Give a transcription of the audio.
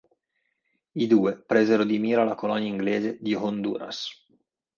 I due presero di mira la colonia inglese di Honduras.